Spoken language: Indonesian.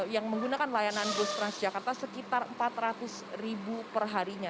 yang menggunakan layanan bus transjakarta sekitar empat ratus ribu perharinya